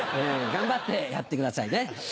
頑張ってやってくださいね。